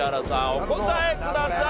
お答えください。